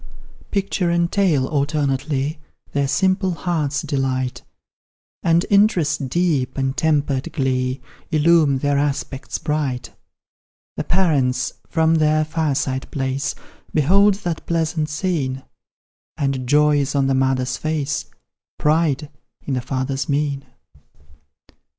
Picture and tale alternately Their simple hearts delight, And interest deep, and tempered glee, Illume their aspects bright. The parents, from their fireside place, Behold that pleasant scene, And joy is on the mother's face, Pride in the father's mien.